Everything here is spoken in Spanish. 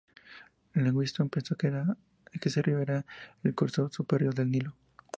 Livingstone pensó que ese río era el curso superior del Nilo.